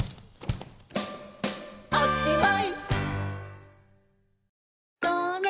「おしまい！」